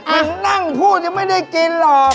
มันนั่งพูดยังไม่ได้กินหรอก